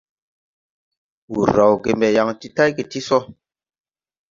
Wūr raw ge mbe yaŋ ti tayge tii so.